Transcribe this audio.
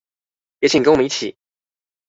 也請跟我們一起